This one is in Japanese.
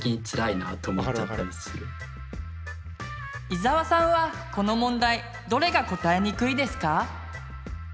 伊沢さんはこの問題どれが答えにくいですか？